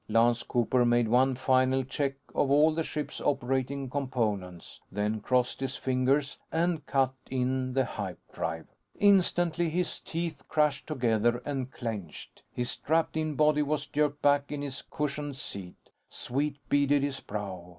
Lance Cooper made one final check of all the ship's operating components; then crossed his fingers and cut in the hype drive. Instantly, his teeth crashed together and clenched; his strapped in body was jerked back in its cushioned seat; sweat beaded his brow.